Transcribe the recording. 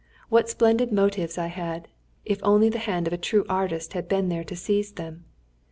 What splendid motives I had; if only the hand of a true artist had been there to seize them!